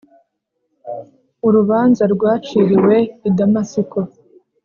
Urubanza rwaciriwe iDamasiko